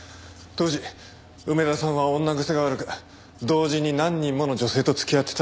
当時梅田さんは女癖が悪く同時に何人もの女性と付き合ってたらしい。